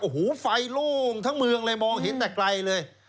โอ้โหไฟโล่งทั้งเมืองเลยมองเห็นแต่ไกลเลย